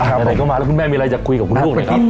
ผมก็มาแล้วคุณแม่มีอะไรจะคุยกับคุณลูกหน่อยครับ